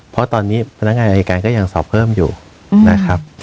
เพราะตอนนี้พนักงานอายการก็ยังสอบเพิ่มอยู่นะครับ